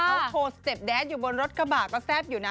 เขาโชว์สเต็ปแดนสอยู่บนรถกระบะก็แซ่บอยู่นะ